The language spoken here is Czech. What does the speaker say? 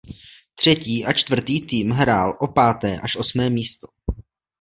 Třetí a čtvrtý tým hrál o páté až osmé místo.